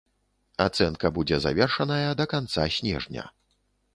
Ацэнка будзе завершаная да канца снежня.